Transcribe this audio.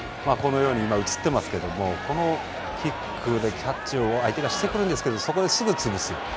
映ってますけどこのキックでキャッチを相手がしてくるんですけどそこで、すぐ潰す。